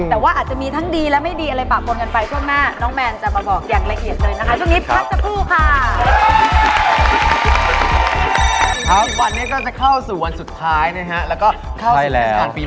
แต่ว่าอาจจะมีทั้งดีและไม่ดีจะตาบนกันไป